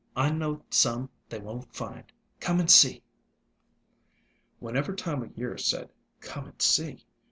I know some they won't find. Come and see!" Whenever Time o' Year said, "Come and see!"